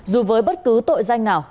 dù với bất cứ tội danh nào